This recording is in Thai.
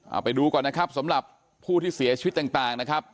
เอาไปดูก่อนนะครับสำหรับผู้ที่เสียชีวิตต่างนะครับ